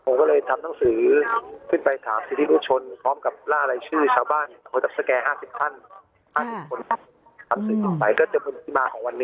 ผมจะสแกร่๕๐ท่าน๕๐คนทำหนังสือจุดใหม่ก็จะเป็นปีมาของวันนี้ไงครับ